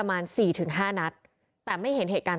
ตำรวจอีกหลายคนก็หนีออกจุดเกิดเหตุทันที